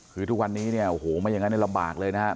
คือทุกวันนี้เนี่ยโอ้โหไม่อย่างนั้นลำบากเลยนะครับ